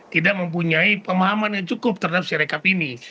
tidak mempunyai pemahaman yang cukup terhadap sirekap ini